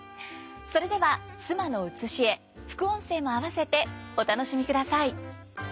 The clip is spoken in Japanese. それでは「須磨の写絵」副音声もあわせてお楽しみください。